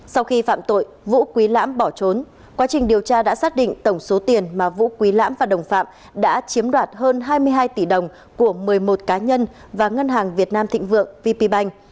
sau khi phạm tội vũ quý lãm bỏ trốn quá trình điều tra đã xác định tổng số tiền mà vũ quý lãm và đồng phạm đã chiếm đoạt hơn hai mươi hai tỷ đồng của một mươi một cá nhân và ngân hàng việt nam thịnh vượng vp bank